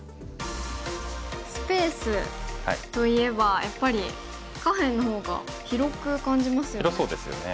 スペースといえばやっぱり下辺の方が広く感じますよね。